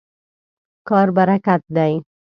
کار برکت دی.